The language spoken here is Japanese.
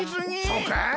そうかい？